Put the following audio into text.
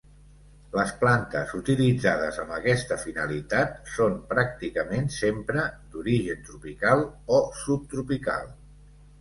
Les plantes utilitzades amb aquesta finalitat són pràcticament sempre d’origen tropical o subtropical.